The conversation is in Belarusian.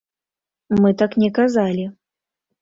Мы так не казалі.